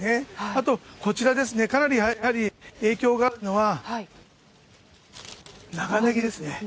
あとこちらですね、かなりやはり影響があるのは、長ネギですね。